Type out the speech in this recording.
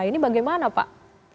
ini bagaimana pak